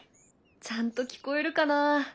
ちゃんと聞こえるかな？